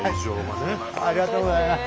ありがとうございます。